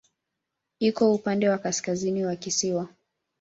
Iko upande wa kaskazini wa kisiwa.